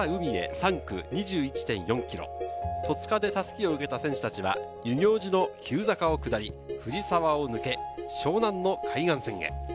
３区２１．４ｋｍ、戸塚で襷を受けた選手たちは遊行寺の急坂を下り、藤沢を抜け、湘南の海岸線へ。